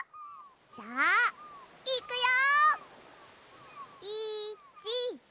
じゃあいくよ！